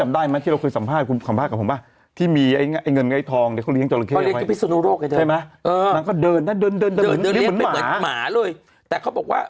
แต่บอกว่าบ้านหลังเขาไปเจอดาบเก่ามา